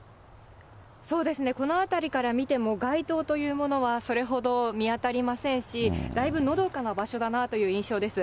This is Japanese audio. そうですね、この辺りから見ても、街灯というものはそれほど見当たりませんし、だいぶのどかな場所だなという印象です。